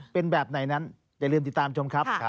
เป็นแบบไหนนั้นอย่าลืมติดตามชมครับ